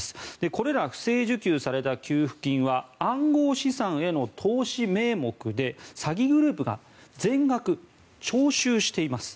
これら不正受給された給付金は暗号資産への投資名目で詐欺グループが全額、徴収しています。